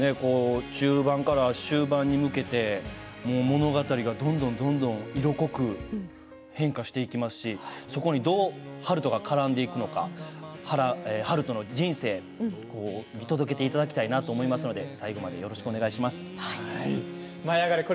中盤から終盤に向けて物語がどんどん色濃く変化していきますしそこにどう悠人が絡んでいくのか悠人の人生見届けていただきたいなと思いますので「舞いあがれ！」